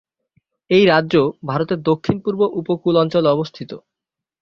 এই রাজ্য ভারতের দক্ষিণ-পূর্ব উপকূল অঞ্চলে অবস্থিত।